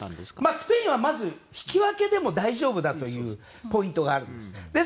スペインはまず引き分けでも大丈夫だというポイントがあるんです。